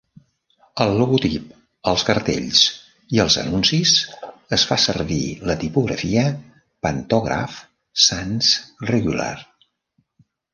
Al logotip, als cartells i als anuncis es fa servir la tipografia 'Pantograph sans regular'.